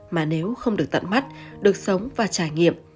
mà nếu không được tận mắt được sống và trải nghiệm